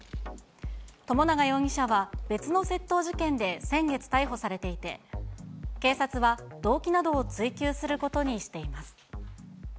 友永容疑者は別の窃盗事件で先月、逮捕されていて、警察は動機などを追及することにしています。